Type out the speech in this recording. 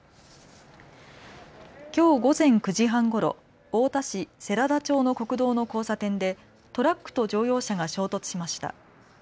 きょう午前９時半ごろ、太田市世良田町の国道の交差点でトラックと乗用車が衝突しました。